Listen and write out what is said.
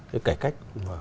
cái cải cách